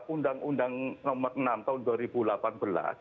undang undang nomor enam tahun dua ribu delapan belas